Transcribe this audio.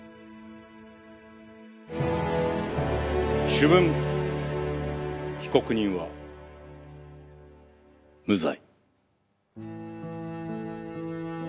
「主文被告人は無罪」